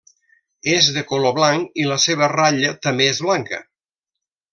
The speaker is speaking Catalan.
És de color blanc, i la seva ratlla també és blanca.